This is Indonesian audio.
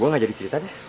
gue gak jadi cerita deh